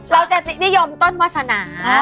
เราจะนิยมต้นวาสนา